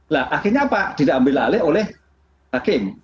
nah akhirnya apa diambele oleh hakim